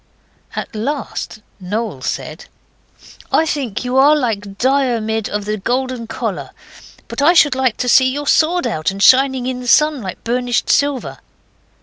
At last Noel said 'I think you are like Diarmid of the Golden Collar. But I should like to see your sword out, and shining in the sun like burnished silver.